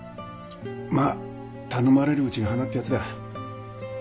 まあ頼まれるうちが花ってヤツだ。